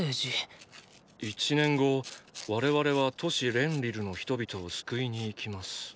１年後我々は都市レンリルの人々を救いに行きます。